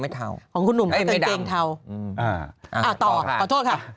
ไม่เทาไม่ดำต่อค่ะขอโทษค่ะ